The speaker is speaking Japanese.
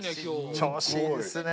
調子いいですね。